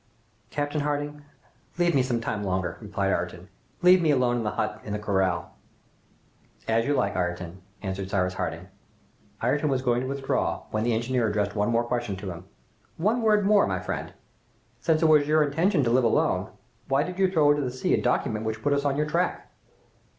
"Captain Harding, leave me some time longer," replied Ayrton, "leave me alone in the hut in the corral!" "As you like, Ayrton," answered Cyrus Harding. Ayrton was going to withdraw, when the engineer addressed one more question to him: "One word more, my friend. Since it was your intention to live alone, why did you throw into the sea the document which put us on your track?"